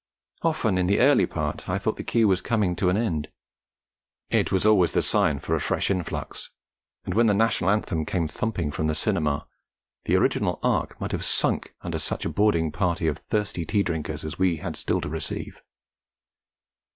Often in the early part I thought the queue was coming to an end; it was always the sign for a fresh influx; and when the National Anthem came thumping from the cinema, the original Ark might have sunk under such a boarding party of thirsty tea drinkers as we had still to receive.